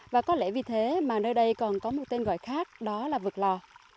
và có lẽ vì thế mà nơi đây còn có một tên gọi khác đó là vực lò